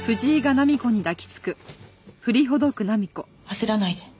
焦らないで。